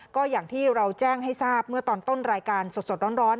ก็อย่างที่เราแจ้งให้ทราบเมื่อตอนต้นรายการสดร้อน